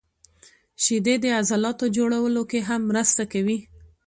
• شیدې د عضلاتو جوړولو کې هم مرسته کوي.